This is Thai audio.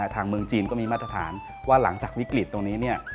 ทางเมืองจีนก็มีมาตรฐานว่าหลังจากวิกฤตตรงนี้เนี่ย